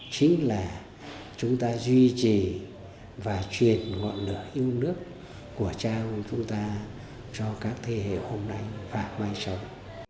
chính là chúng ta duy trì và truyền ngọn lửa yêu nước của cha ông chúng ta cho các thế hệ hôm nay và mai sau